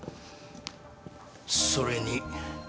それに。